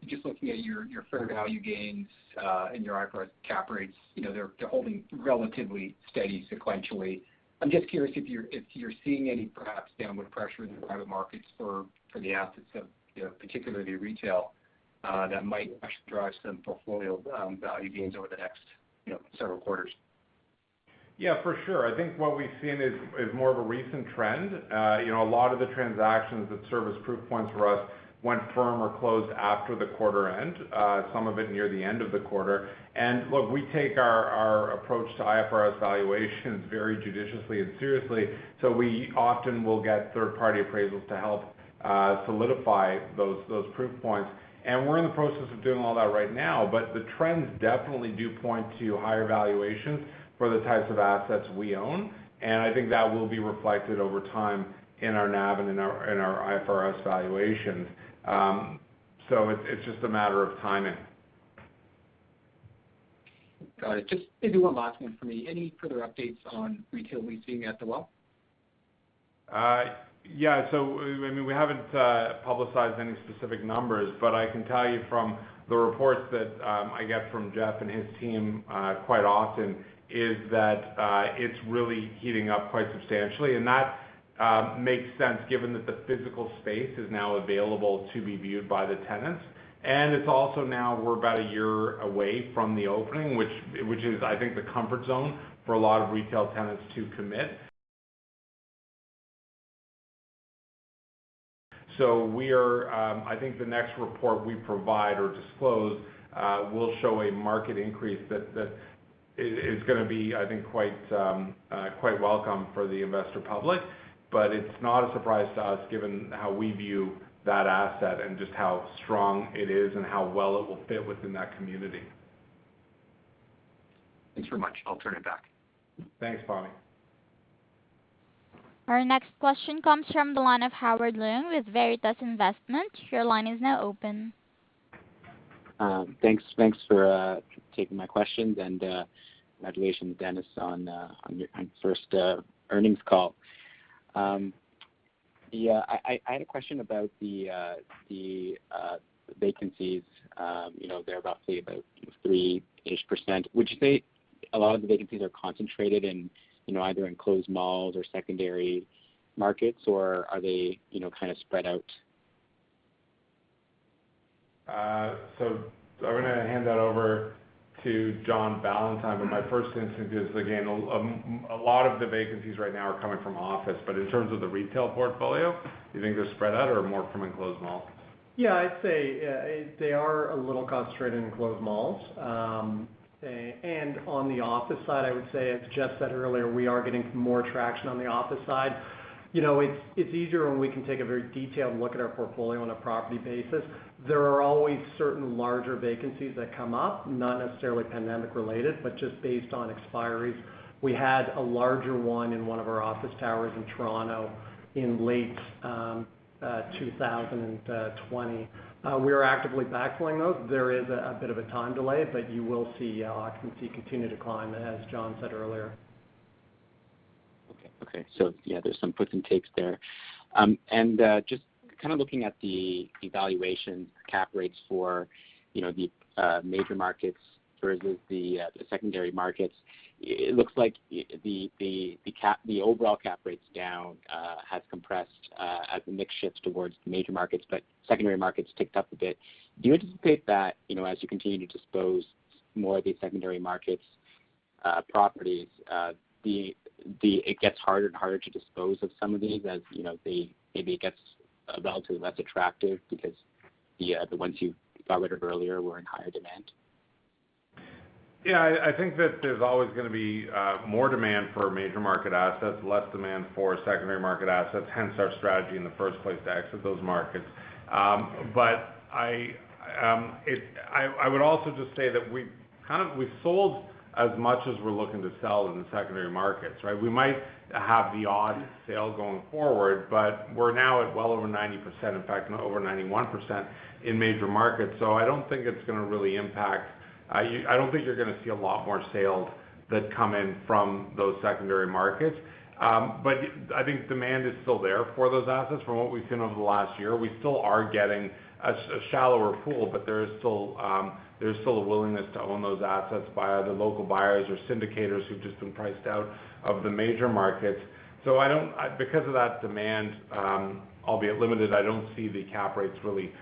just looking at your fair value gains and your IFRS cap rates, you know, they're holding relatively steady sequentially. I'm just curious if you're seeing any perhaps downward pressure in the private markets for the assets of, you know, particularly retail, that might actually drive some portfolio value gains over the next, you know, several quarters. Yeah, for sure. I think what we've seen is more of a recent trend. You know, a lot of the transactions that serve as proof points for us went firm or closed after the quarter end, some of it near the end of the quarter. Look, we take our approach to IFRS valuations very judiciously and seriously, so we often will get third-party appraisals to help solidify those proof points. We're in the process of doing all that right now, but the trends definitely do point to higher valuations for the types of assets we own, and I think that will be reflected over time in our NAV and in our IFRS valuations. So it's just a matter of timing. Got it. Just maybe one last one for me. Any further updates on retail leasing at The Well? Yeah. I mean, we haven't publicized any specific numbers, but I can tell you from the reports that I get from Jeff and his team quite often is that it's really heating up quite substantially. That makes sense given that the physical space is now available to be viewed by the tenants. It's also now we're about a year away from the opening, which is, I think, the comfort zone for a lot of retail tenants to commit. I think the next report we provide or disclose will show a market increase that is gonna be, I think, quite welcome for the investor public. It's not a surprise to us given how we view that asset and just how strong it is and how well it will fit within that community. Thanks very much. I'll turn it back. Thanks, Tommy. Our next question comes from the line of Howard Leung with Veritas Investment Research. Your line is now open. Thanks. Thanks for taking my questions, and congratulations, Dennis, on your first earnings call. I had a question about the vacancies. You know, they're roughly about 3-ish%. Would you say a lot of the vacancies are concentrated in, you know, either enclosed malls or secondary markets, or are they, you know, kind of spread out? I'm gonna hand that over to John Ballantyne, but my first instinct is, again, a lot of the vacancies right now are coming from office. In terms of the retail portfolio, do you think they're spread out or more from enclosed malls? Yeah, I'd say they are a little concentrated in enclosed malls. On the office side, I would say, as Jeff said earlier, we are getting more traction on the office side. You know, it's easier when we can take a very detailed look at our portfolio on a property basis. There are always certain larger vacancies that come up, not necessarily pandemic-related, but just based on expiries. We had a larger one in one of our office towers in Toronto in late 2020. We are actively backfilling those. There is a bit of a time delay, but you will see occupancy continue to climb, as John said earlier. Okay. Yeah, there's some puts and takes there. Just kind of looking at the valuation cap rates for, you know, the major markets versus the secondary markets, it looks like the overall cap rates down has compressed as the mix shifts towards major markets, but secondary markets ticked up a bit. Do you anticipate that, you know, as you continue to dispose more of these secondary markets properties, it gets harder and harder to dispose of some of these, as, you know, they maybe gets relatively less attractive because the ones you got rid of earlier were in higher demand? Yeah, I think that there's always gonna be more demand for major market assets, less demand for secondary market assets, hence our strategy in the first place to exit those markets. I would also just say that we kind of... We've sold as much as we're looking to sell in the secondary markets, right? We might have the odd sale going forward, but we're now at well over 90%, in fact over 91% in major markets. I don't think it's gonna really impact. I don't think you're gonna see a lot more sales that come in from those secondary markets. I think demand is still there for those assets from what we've seen over the last year. We still are getting a shallower pool, but there is still a willingness to own those assets by the local buyers or syndicators who've just been priced out of the major markets. Because of that demand, albeit limited, I don't see the cap rates really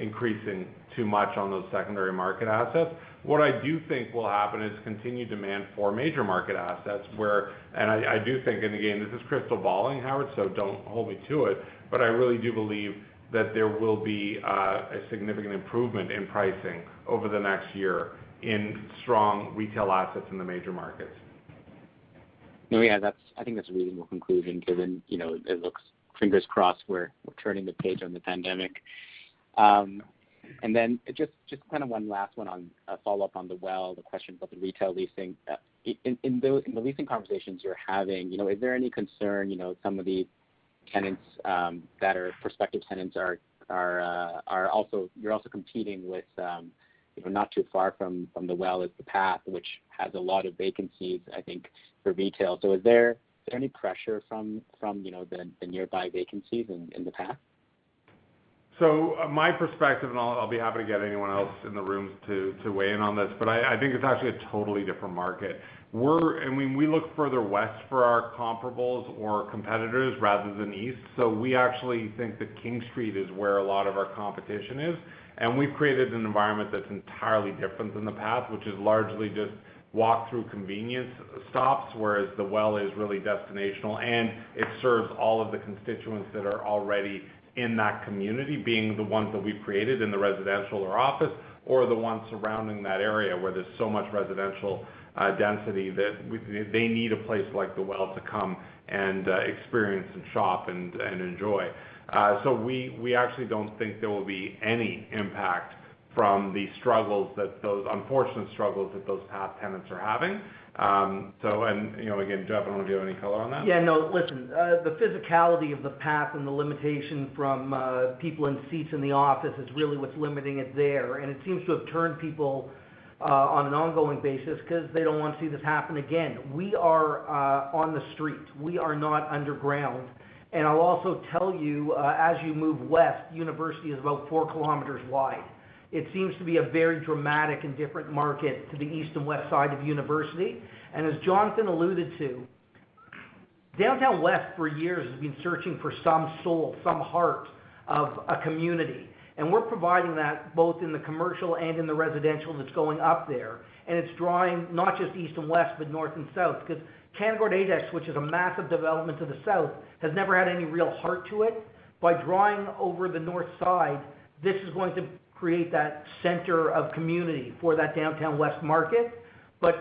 increasing too much on those secondary market assets. What I do think will happen is continued demand for major market assets. I do think, and again, this is crystal balling, Howard, so don't hold me to it, but I really do believe that there will be a significant improvement in pricing over the next year in strong retail assets in the major markets. Yeah, I think that's a reasonable conclusion given, you know, it looks, fingers crossed, we're turning the page on the pandemic. Just kind of one last one on a follow-up on The Well, the question about the retail leasing. In those leasing conversations you're having, you know, is there any concern, you know, some of these tenants that are prospective tenants are also you're also competing with, you know, not too far from The Well is The Path, which has a lot of vacancies, I think, for retail. Is there any pressure from, you know, the nearby vacancies in The Path? My perspective, and I'll be happy to get anyone else in the room to weigh in on this, but I think it's actually a totally different market. We're, I mean, we look further west for our comparables or competitors rather than east. We actually think that King Street is where a lot of our competition is, and we've created an environment that's entirely different than The Path, which is largely just walk-through convenience stops, whereas The Well is really destinational, and it serves all of the constituents that are already in that community, being the ones that we've created in the residential or office or the ones surrounding that area where there's so much residential density that they need a place like The Well to come and experience and shop and enjoy. We actually don't think there will be any impact. From the unfortunate struggles that those path tenants are having. You know, again, Jeff, I don't know if you have any color on that. Yeah, no. Listen, the physicality of the path and the limitation from people in seats in the office is really what's limiting it there. It seems to have turned people on an ongoing basis because they don't want to see this happen again. We are on the street. We are not underground. I'll also tell you, as you move west, University is about four kilometers wide. It seems to be a very dramatic and different market to the east and west side of University. As Jonathan alluded to, downtown West for years has been searching for some soul, some heart of a community. We're providing that both in the commercial and in the residential that's going up there. It's drawing not just east and west, but north and south, because Canada Index, which is a massive development to the south, has never had any real heart to it. By drawing over the north side, this is going to create that center of community for that downtown West market.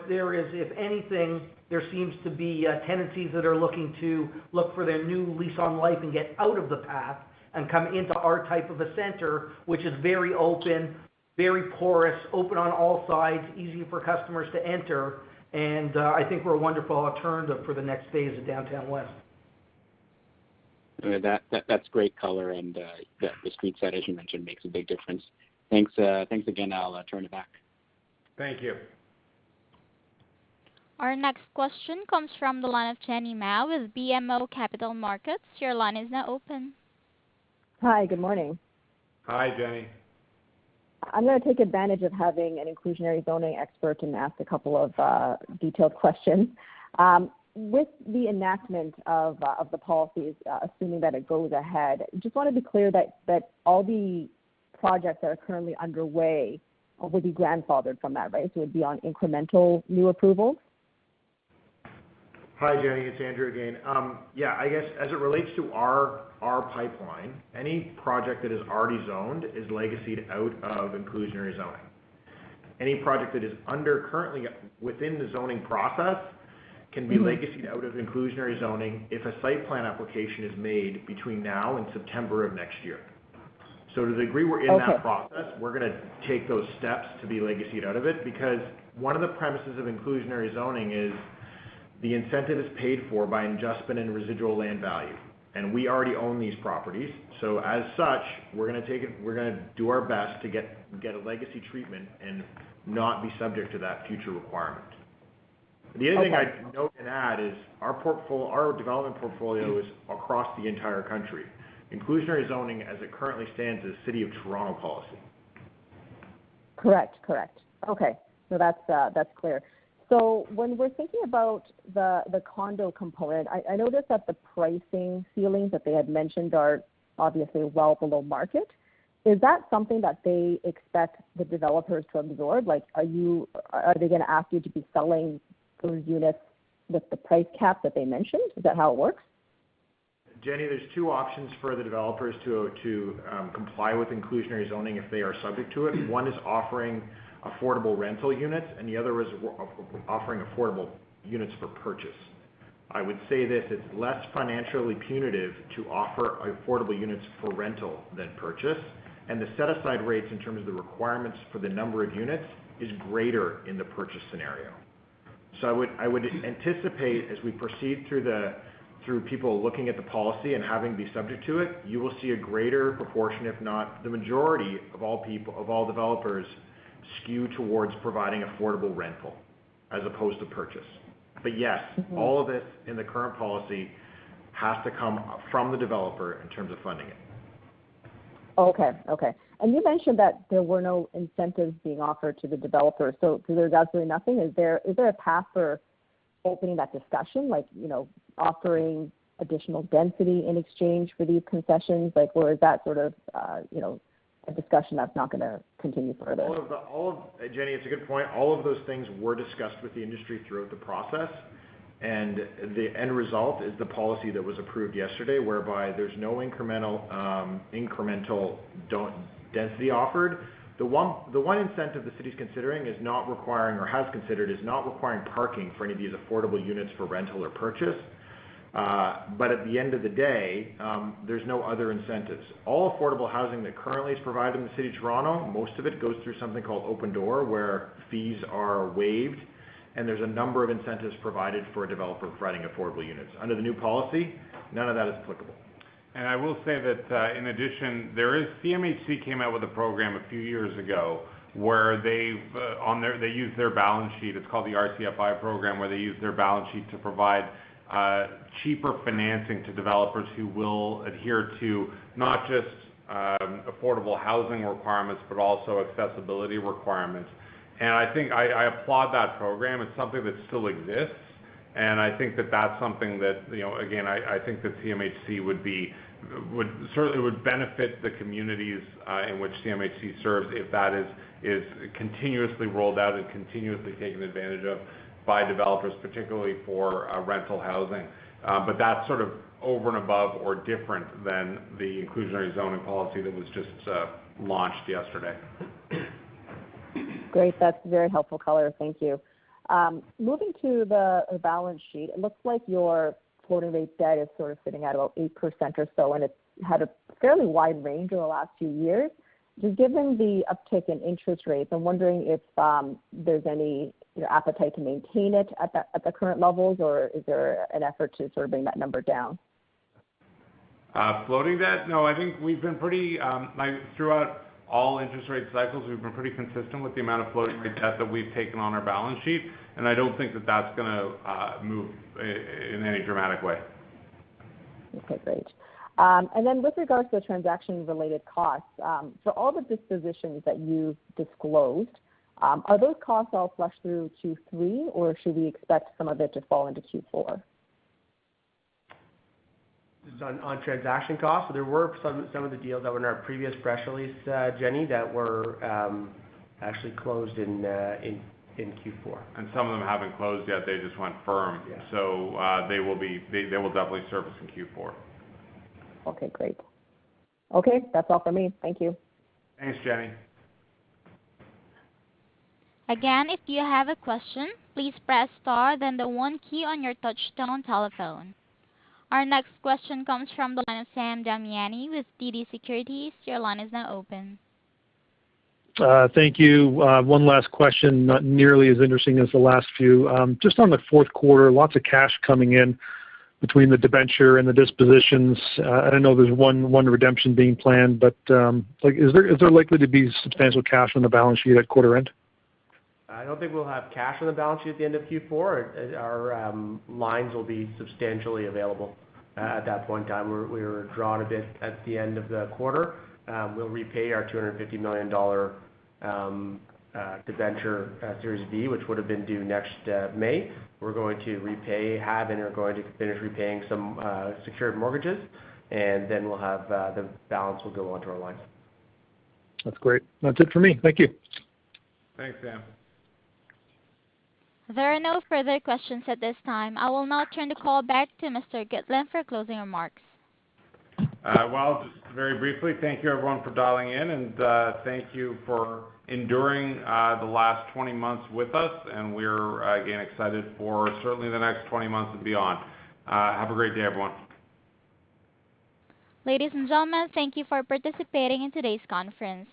There is, if anything, there seems to be tendencies that are looking to for their new lease on life and get out of the path and come into our type of a center, which is very open, very porous, open on all sides, easy for customers to enter. I think we're a wonderful alternative for the next phase of downtown West. That's great color. The street side, as you mentioned, makes a big difference. Thanks again. I'll turn it back. Thank you. Our next question comes from the line of Jenny Ma with BMO Capital Markets. Your line is now open. Hi. Good morning. Hi, Jenny. I'm going to take advantage of having an inclusionary zoning expert and ask a couple of detailed questions. With the enactment of the policies, assuming that it goes ahead, just want to be clear that all the projects that are currently underway will be grandfathered from that, right? It'd be on incremental new approvals. Hi, Jenny. It's Andrew again. I guess as it relates to our pipeline, any project that is already zoned is legacied out of inclusionary zoning. Any project that is currently within the zoning process- Mm-hmm. Can be legacied out of Inclusionary Zoning if a site plan application is made between now and September of next year. To the degree we're in that process- Okay. We're going to take those steps to be legacy'd out of it, because one of the premises of inclusionary zoning is the incentive is paid for by adjustment and residual land value. We already own these properties. As such, we're going to take it. We're going to do our best to get a legacy treatment and not be subject to that future requirement. Okay. The other thing I'd note and add is our development portfolio is across the entire country. Inclusionary zoning, as it currently stands, is City of Toronto policy. Correct. Okay. That's clear. When we're thinking about the condo component, I noticed that the pricing ceilings that they had mentioned are obviously well below market. Is that something that they expect the developers to absorb? Like, are they going to ask you to be selling those units with the price cap that they mentioned? Is that how it works? Jenny, there's two options for the developers to comply with inclusionary zoning if they are subject to it. One is offering affordable rental units, and the other is offering affordable units for purchase. I would say this, it's less financially punitive to offer affordable units for rental than purchase. The set aside rates in terms of the requirements for the number of units is greater in the purchase scenario. I would anticipate, as we proceed through people looking at the policy and having to be subject to it, you will see a greater proportion, if not the majority of all people, of all developers skew towards providing affordable rental as opposed to purchase. Yes- Mm-hmm. All of this in the current policy has to come from the developer in terms of funding it. Okay. You mentioned that there were no incentives being offered to the developers, so there's absolutely nothing. Is there a path for opening that discussion, like, you know, offering additional density in exchange for these concessions, like, or is that sort of, you know, a discussion that's not going to continue further? Jenny, it's a good point. All of those things were discussed with the industry throughout the process, and the end result is the policy that was approved yesterday, whereby there's no incremental density offered. The one incentive the city is considering is not requiring parking for any of these affordable units for rental or purchase. But at the end of the day, there's no other incentives. All affordable housing that currently is provided in the city of Toronto, most of it goes through something called Open Door, where fees are waived, and there's a number of incentives provided for a developer providing affordable units. Under the new policy, none of that is applicable. I will say that in addition, CMHC came out with a program a few years ago where they've used their balance sheet. It's called the RCFI program, where they use their balance sheet to provide cheaper financing to developers who will adhere to not just affordable housing requirements, but also accessibility requirements. I think I applaud that program. It's something that still exists, and I think that that's something that, you know, again, I think that CMHC would certainly benefit the communities in which CMHC serves if that is continuously rolled out and continuously taken advantage of by developers, particularly for rental housing. But that's sort of over and above or different than the inclusionary zoning policy that was just launched yesterday. Great. That's very helpful color. Thank you. Moving to the balance sheet, it looks like your floating-rate debt is sort of sitting at about 8% or so, and it's had a fairly wide range over the last few years. Just given the uptick in interest rates, I'm wondering if there's any appetite to maintain it at the current levels, or is there an effort to sort of bring that number down? Floating debt? No, I think we've been pretty throughout all interest rate cycles, we've been pretty consistent with the amount of floating rate debt that we've taken on our balance sheet, and I don't think that that's gonna move in any dramatic way. Okay, great. With regards to the transaction related costs, for all the dispositions that you've disclosed, are those costs all flowed through Q3, or should we expect some of it to fall into Q4? On transaction costs, there were some of the deals that were in our previous press release, Jenny, that were actually closed in Q4. Some of them haven't closed yet, they just went firm. Yeah. They will definitely surface in Q4. Okay, great. Okay, that's all for me. Thank you. Thanks, Jenny. Again, if you have a question, please press star then the one key on your touchtone telephone. Our next question comes from the line of Sam Damiani with TD Securities. Your line is now open. Thank you. One last question, not nearly as interesting as the last few. Just on the fourth quarter, lots of cash coming in between the debenture and the dispositions. I know there's one redemption being planned, but, like, is there likely to be substantial cash on the balance sheet at quarter end? I don't think we'll have cash on the balance sheet at the end of Q4. Our lines will be substantially available at that point in time. We were drawn a bit at the end of the quarter. We'll repay our 250 million dollar debenture, Series V, which would have been due next May. We have and are going to finish repaying some secured mortgages, and then the balance will go onto our lines. That's great. That's it for me. Thank you. Thanks, Sam. There are no further questions at this time. I will now turn the call back to Mr. Gitlin for closing remarks. Well, just very briefly, thank you everyone for dialing in, and thank you for enduring the last 20 months with us, and we're, again, excited for certainly the next 20 months and beyond. Have a great day, everyone. Ladies and gentlemen, thank you for participating in today's conference.